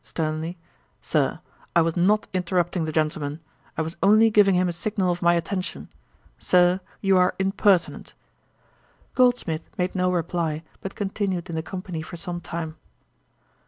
(sternly,) 'Sir, I was not interrupting the gentleman. I was only giving him a signal of my attention. Sir, you are impertinent.' Goldsmith made no reply, but continued in the company for some time.